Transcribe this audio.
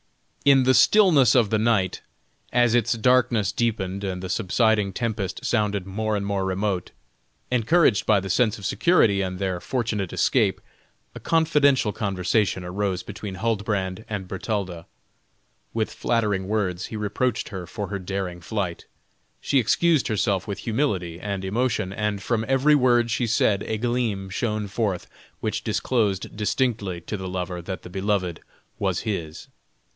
In the stillness of the night, as its darkness deepened and the subsiding tempest sounded more and more remote, encouraged by the sense of security and their fortunate escape, a confidential conversation arose between Huldbrand and Bertalda. With flattering words he reproached her for her daring flight; she excused herself with humility and emotion, and from every word she said a gleam shone forth which disclosed distinctly to the lover that the beloved was his.